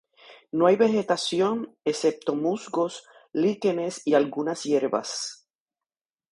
No hay vegetación, excepto musgos, líquenes y algunas hierbas.